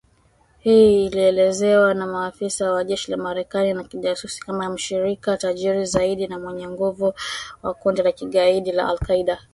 Hii ilielezewa na maafisa wa jeshi la Marekani na kijasusi kama mshirika tajiri zaidi na mwenye nguvu wa kundi la kigaidi la al Qaida